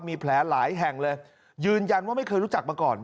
มีแผลหลายแห่งเลยยืนยันว่าไม่เคยรู้จักมาก่อน